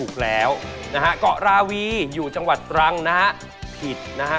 เกาะราวีอยู่จังหวัดตรังนะฮะผิดนะฮะ